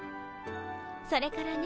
それからね